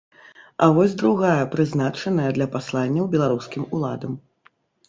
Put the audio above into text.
А вось другая прызначаная для пасланняў беларускім уладам.